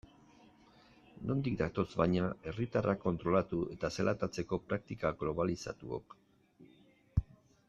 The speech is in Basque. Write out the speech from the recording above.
Nondik datoz baina herriatarrak kontrolatu eta zelatatzeko praktika globalizatuok?